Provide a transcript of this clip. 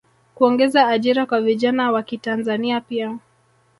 kuongeza ajira kwa vijana wakitanzania pia